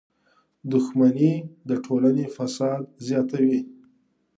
• دښمني د ټولنې فساد زیاتوي.